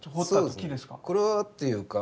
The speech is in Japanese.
これはっていうか